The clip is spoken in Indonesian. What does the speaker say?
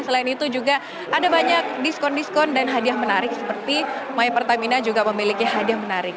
selain itu juga ada banyak diskon diskon dan hadiah menarik seperti my pertamina juga memiliki hadiah menarik